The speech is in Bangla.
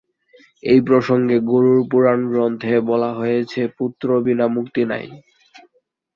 এই প্রসঙ্গে গরুড় পুরাণ গ্রন্থে বলা হয়েছে, "পুত্র বিনা মুক্তি নাই।"